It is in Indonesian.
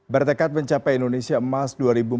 bertekad mencapai indonesia emas dua ribu empat puluh